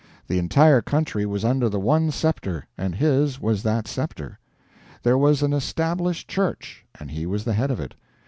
The entire country was under the one scepter, and his was that scepter. There was an Established Church, and he was the head of it.